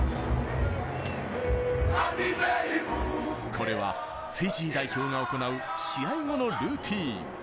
これはフィジー代表が行う、試合後のルーティン。